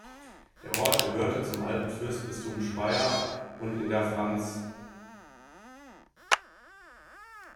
Der Ort gehörte zum alten Fürstbistum Speyer und in der franz.